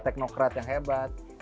teknokrat yang hebat